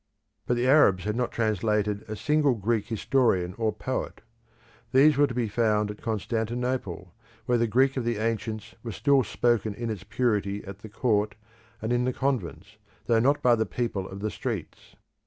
But the Arabs had not translated a single Greek historian or poet. These were to be found at Constantinople, where the Greek of the ancients was still spoken in its purity at the court and in the convents though not by the people of the streets.